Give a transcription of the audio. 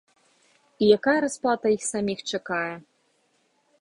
І якая расплата іх саміх чакае.